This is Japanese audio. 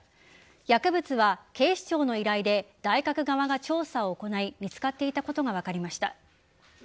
薬物は警視庁の依頼で大学側が調査を行い見つかっていたことが分かりました。